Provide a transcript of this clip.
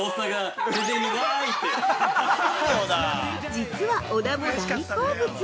実は小田も大好物！